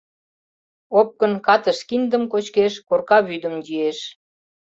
Опкын катыш киндым кочкеш, корка вӱдым йӱэш.